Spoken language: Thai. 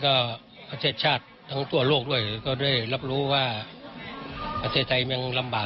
บางทีเขาออกจากคำเขาก็จะไลน์มาหาแม่บางทีก็โทรมาหาแม่